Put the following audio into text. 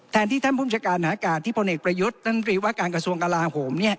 แทนที่ท่านภูมิชการหากาศที่ปลเนศประยุทธ์นักฤทธิ์วัฒนาการกระทรวงกราห่อโหมเนี่ย